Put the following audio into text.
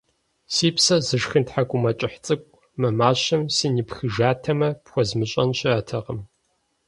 - Си псэр зышхын тхьэкӏумэкӏыхь цӏыкӏу, мы мащэм сынипхыжатэмэ, пхуэзмыщӏэн щыӏэтэкъым.